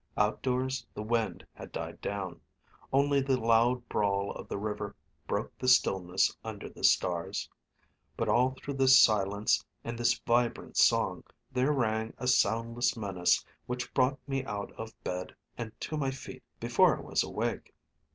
Outdoors the wind had died down. Only the loud brawl of the river broke the stillness under the stars. But all through this silence and this vibrant song there rang a soundless menace which brought me out of bed and to my feet before I was awake.